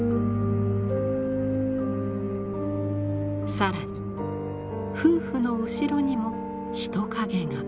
更に夫婦の後ろにも人影が。